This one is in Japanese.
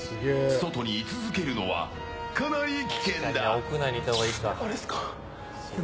外に居続けるのはかなり危険だ。